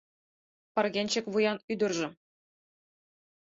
Пыргенчык вуян ӱдыржым